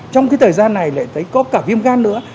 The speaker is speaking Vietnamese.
trong cái thời gian này lại thấy có cả viêm gan nữa